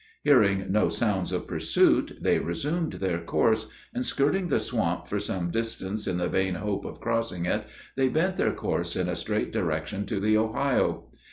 Hearing no sounds of pursuit, they resumed their course, and, skirting the swamp for some distance in the vain hope of crossing it, they bent their course in a straight direction to the Ohio.